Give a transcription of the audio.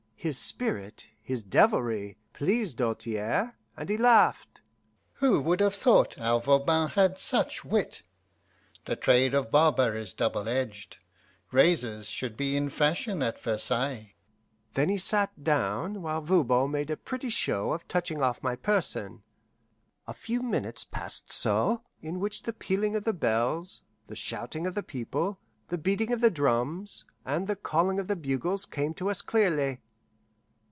His spirit, his devilry, pleased Doltaire, and he laughed. "Who would have thought our Voban had such wit? The trade of barber is double edged. Razors should be in fashion at Versailles." Then he sat down, while Voban made a pretty show of touching off my person. A few minutes passed so, in which the pealing of bells, the shouting of the people, the beating of drums, and the calling of bugles came to us clearly.